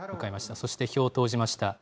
そして票を投じました。